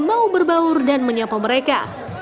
mau berbaur dan menyapa mereka